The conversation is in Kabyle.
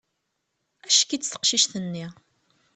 Acki-tt teqcict-nni!